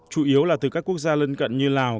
chủ yếu là từ các quốc gia lân cận như lào